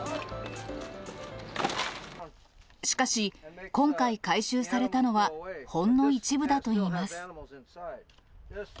しかし、今回回収されたのは、ほんの一部だといいます。